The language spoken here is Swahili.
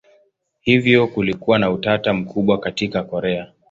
Hivyo kulikuwa na utata mkubwa katika Korea.